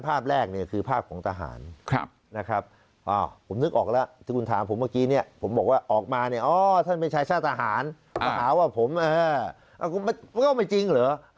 เพราะว่ามันก็ไม่จริงเหรอ